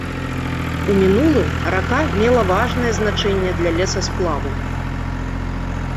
У мінулым рака мела важнае значэнне для лесасплаву.